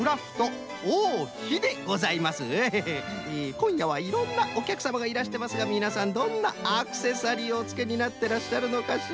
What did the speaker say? こんやはいろんなおきゃくさまがいらしてますがみなさんどんなアクセサリーをおつけになっていらっしゃるのかしら？